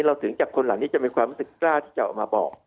ถึงจากคนเหล่านี้จะมีความรู้สึกกล้าที่จะออกมาบอก